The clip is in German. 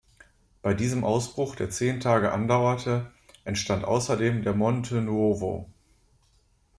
Bei diesem Ausbruch, der zehn Tage andauerte, entstand außerdem der Monte Nuovo.